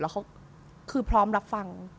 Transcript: แล้วเขาคือพร้อมรับฟัง